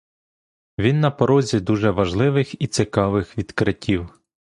Він на порозі дуже важливих і цікавих відкриттів.